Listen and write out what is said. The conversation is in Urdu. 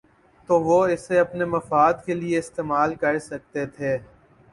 تو وہ اسے اپنے مفاد کے لیے استعمال کر سکتے تھے۔